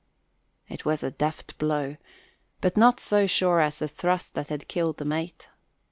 It was a deft blow, but not so sure as the thrust that had killed the mate.